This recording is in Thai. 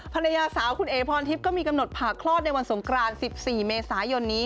ภรรยาสาวคุณเอ๋พรทิพย์ก็มีกำหนดผ่าคลอดในวันสงกราน๑๔เมษายนนี้